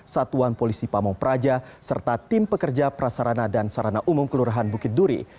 satuan polisi pamung praja serta tim pekerja prasarana dan sarana umum kelurahan bukit duri